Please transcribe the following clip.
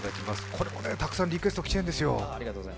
これもたくさんリクエストきてるんですよ。